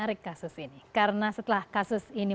karena setelah kasus ini karena setelah kasus ini